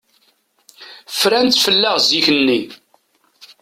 Fran-tt fell-aɣ zik-nni.